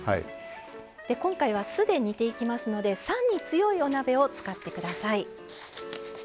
今回は酢で煮ていきますので酸に強いお鍋を使ってください。